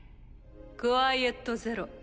クワイエット・ゼロ。